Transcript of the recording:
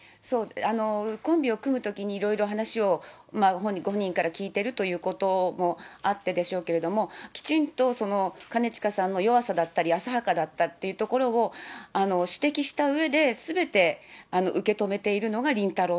コンビを組むときに、いろいろ話をご本人から聞いてるということもあってでしょうけれども、きちんとその兼近さんの弱さだったり、浅はかだったというところを指摘したうえで、すべて受け止めているのがりんたろー。